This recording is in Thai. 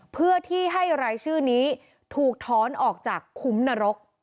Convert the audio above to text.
เพื่อที่ให้รายชื่อนี้ถูกถอนออกจากคุ้มนรก